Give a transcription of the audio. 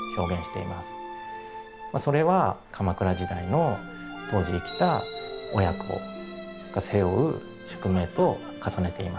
それは鎌倉時代の当時生きた親子が背負う宿命と重ねています。